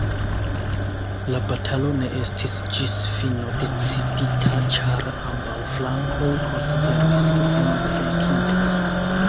La batalo ne estis ĝis fino decidita ĉar ambaŭ flankoj konsideris sin venkintoj.